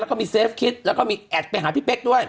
แล้วก็มีเซฟคิดแล้วก็มีแอดไปหาพี่เป๊กด้วย